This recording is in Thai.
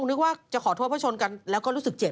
นึกว่าจะขอโทษเพราะชนกันแล้วก็รู้สึกเจ็บ